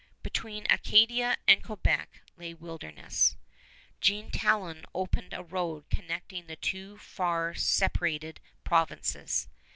Between Acadia and Quebec lay wilderness. Jean Talon opened a road connecting the two far separated provinces.